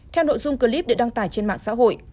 theo nội dung clip được đăng tải trên mạng xã hội